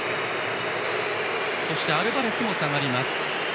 そしてアルバレスも下がります。